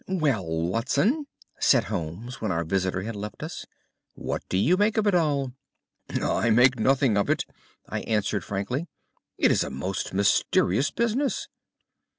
"Well, Watson," said Holmes when our visitor had left us, "what do you make of it all?" "I make nothing of it," I answered frankly. "It is a most mysterious business."